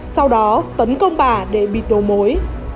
sau đó tấn công bà để bịt đồ mối